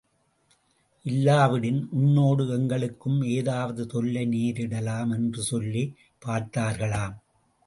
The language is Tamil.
இல்லாவிடின் உன்னோடு எங்களுக்கும் ஏதாவது தொல்லை நேரிடலாம், என்று சொல்லிப் பார்த்தார்களாம்.